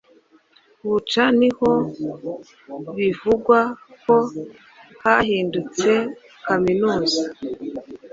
Bucca niho bivugwa ko hahindutse kaminuza